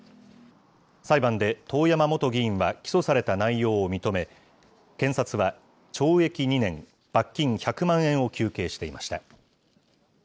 裁判で遠山元議員は起訴された内容を認め、検察は懲役２年、罰金１００万円を求刑していました。